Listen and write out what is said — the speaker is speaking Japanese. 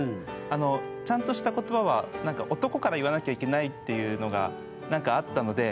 あのちゃんとした言葉は男から言わなきゃいけないっていうのがあったので。